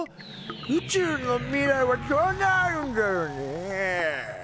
宇宙の未来はどうなるんだろうね？